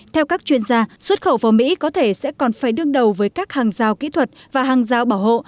theo các chuyên gia xuất khẩu vào mỹ có thể sẽ còn phải đương đầu với các hàng rào kỹ thuật và hàng giao bảo hộ